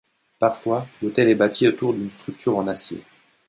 Parfois, l'hôtel est bâti autour d'une structure en acier.